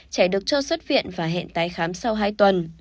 trẻ được cho xuất viện và hẹn tái khám sau hai tuần